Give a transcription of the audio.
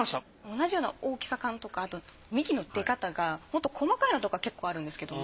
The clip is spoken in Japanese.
同じような大きさ感とかあと幹の出方がもっと細かいのとか結構あるんですけども。